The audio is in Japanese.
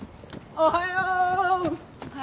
おはよう。